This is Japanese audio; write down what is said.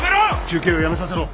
中継をやめさせろ。